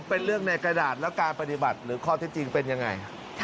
เป็นเรื่องในกระดาษแล้วการปฏิบัติหรือข้อเท็จจริงเป็นยังไง